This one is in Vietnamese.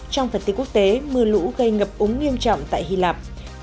trong phần tiết quốc tế mưa lũ gây ngập úng nghiêm trọng tại hy lạp